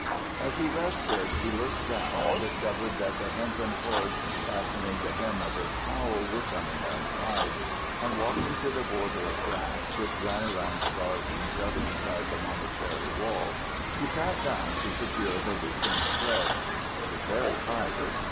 As he rested, he looked down and discovered that the hempen cords fastening the hem of his cowl were becoming untied, and walking to the border of grass which ran round the garden just inside the monastery wall, he sat down to secure the loosened threads. He was very tired.